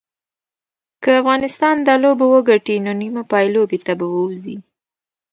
که افغانستان دا لوبه وګټي نو نیمې پایلوبې ته به ووځي